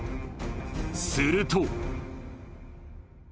すると。